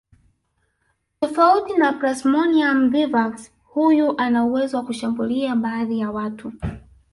Tofauti na Plasmoium vivax huyu ana uwezo wa kushambulia baadhi ya watu